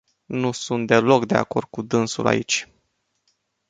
Nu sunt deloc de acord cu dânsul aici.